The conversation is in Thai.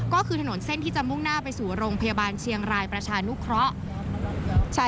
ก็คือถนนเส้นที่จะมุ่งหน้าไปสู่โรงพยาบาลเชียงรายประชานุเคราะห์